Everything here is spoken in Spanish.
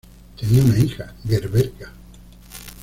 Tenía una hija, Gerberga.